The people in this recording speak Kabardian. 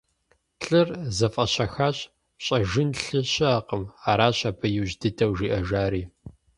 Лӏыр зэфӏэщэхащ, «Фщӏэжын лъы щыӏэкъым», — аращ абы иужь дыдэу жиӏэжари.